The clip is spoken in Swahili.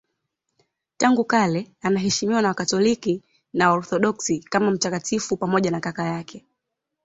Tangu kale anaheshimiwa na Wakatoliki na Waorthodoksi kama mtakatifu pamoja na kaka yake.